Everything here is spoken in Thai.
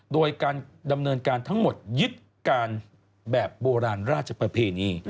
โดยการดำเนินการทั้งหมดยึดการแบบโบราณราชประเพณี